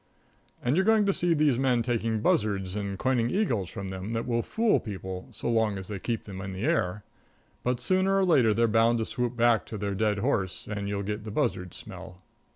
And you're going to see these men taking buzzards and coining eagles from them that will fool people so long as they can keep them in the air; but sooner or later they're bound to swoop back to their dead horse, and you'll get the buzzard smell.